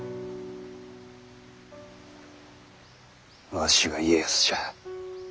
わしが家康じゃ。